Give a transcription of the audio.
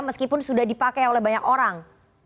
meskipun sudah dipakai oleh banyak orang